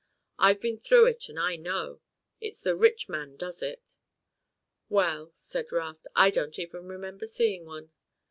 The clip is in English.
I've been through it and I know. It's the rich man does it." "Well," said Raft, "I don't even remember seeing one."